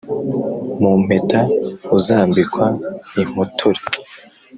mu mpeta uzambikwa impotore